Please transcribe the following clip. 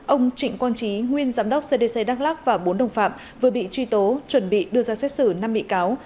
ông trịnh quang trí nguyên giám đốc cdc đắk lắc và bốn đồng phạm vừa bị truy tố chuẩn bị đưa ra xét xử năm bị cáo